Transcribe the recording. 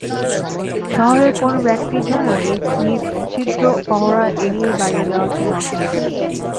শহরের কোন ব্যক্তির জন্যও এই নিঃছিদ্র প্রহরা এড়িয়ে বাইরে যাওয়া ছিল অসম্ভব।